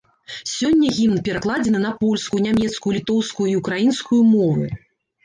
Сёння гімн перакладзены на польскую, нямецкую, літоўскую і ўкраінскую мовы.